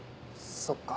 そっか。